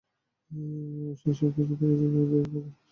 অবশ্য এসব কিছু থেকে একটু যেন দূরেই রাখা হয়েছে নির্বাচক কমিটিকে।